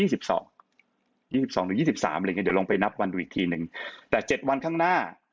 ๒๒หรือ๒๓เดี๋ยวลองไปนับวันดูอีกทีหนึ่งแต่๗วันข้างหน้า